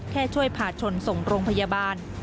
ช่วยผ่าชนส่งโรงพยาบาล